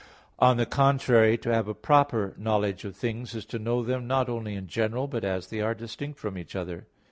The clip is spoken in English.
On the contrary, To have a proper knowledge of things is to know them not only in general, but as they are distinct from each other.